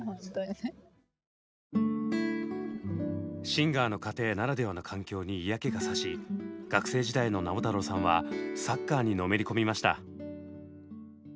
シンガーの家庭ならではの環境に嫌気がさし学生時代の直太朗さんはサッカーにのめり込みました。